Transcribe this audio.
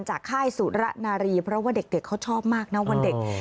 ค่ายสุระนารีเพราะว่าเด็กเขาชอบมากนะวันเด็ก